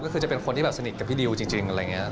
ก็คือจะเป็นคนที่แบบสนิทกับพี่ดิวจริงอะไรอย่างนี้